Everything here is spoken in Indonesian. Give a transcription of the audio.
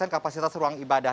kapasitas ruang ibadah